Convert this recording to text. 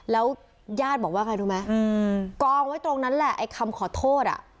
แล้วญาติบอกว่าไงรู้ไหมกองไว้ตรงนั้นแหละไอ้คำขอโทษอ่ะ